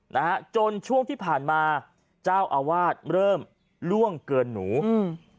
นะฮะจนช่วงที่ผ่านมาเจ้าอาวาสเริ่มล่วงเกินหนูอืม